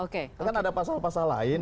kan ada pasal pasal lain